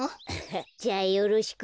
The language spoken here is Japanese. じゃあよろしく。